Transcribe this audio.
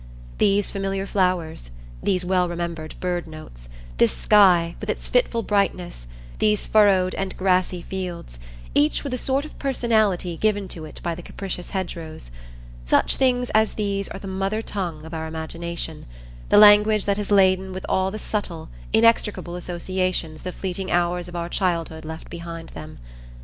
These familiar flowers, these well remembered bird notes, this sky, with its fitful brightness, these furrowed and grassy fields, each with a sort of personality given to it by the capricious hedgerows,—such things as these are the mother tongue of our imagination, the language that is laden with all the subtle, inextricable associations the fleeting hours of our childhood left behind them.